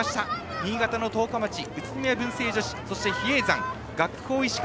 新潟の十日町宇都宮文星女子、そして比叡山学法石川。